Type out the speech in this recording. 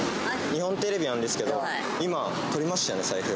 日本テレビなんですけど、今、とりましたよね、財布。